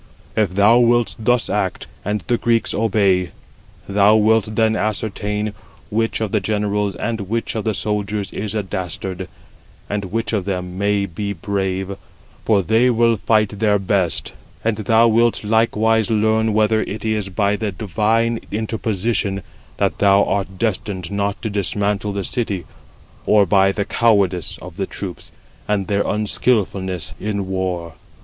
If thou wilt thus act, and the Greeks obey, thou wilt then ascertain which of the generals and which of the soldiers is a dastard, and which of them may be brave, for they will fight their best, 109 and thou wilt likewise learn whether it is by the divine interposition that thou art destined not to dismantle the city, or by the cowardice of the troops, and their unskilfulness in war."